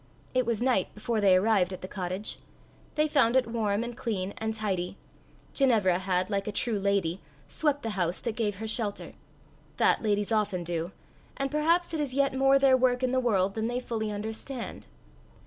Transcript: It was night before they arrived at the cottage. They found it warm and clean and tidy: Ginevra had, like a true lady, swept the house that gave her shelter: that ladies often do; and perhaps it is yet more their work in the world than they fully understand.